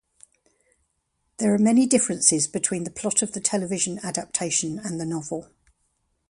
There are many differences between the plot of the television adaptation and the novel.